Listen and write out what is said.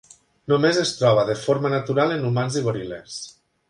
Només es troba de forma natural en humans i goril·les.